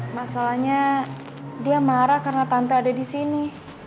masalahnya dia marah karena tante ada disini